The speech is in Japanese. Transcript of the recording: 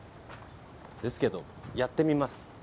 ですけどやってみます。